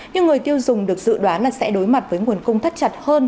nhưng người tiêu dùng được dự đoán là sẽ đối mặt với nguồn cung thắt chặt hơn